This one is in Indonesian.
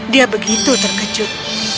dia begitu terkejut